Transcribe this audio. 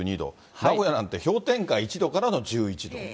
名古屋なんて氷点下１度からの１１度。